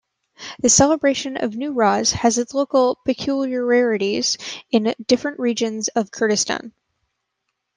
The celebration of Newroz has its local peculiarities in different regions of Kurdistan.